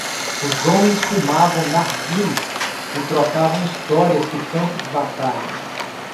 Os homens fumavam narguilés e trocavam histórias do campo de batalha.